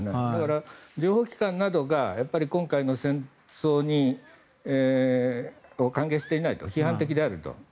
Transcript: だから、情報機関などが今回の戦争を歓迎していないと批判的であると。